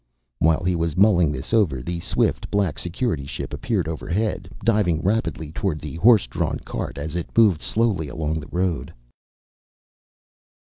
While he was mulling this over, the swift black Security ship appeared overhead, diving rapidly toward the horse drawn cart, as it moved slowly along the road.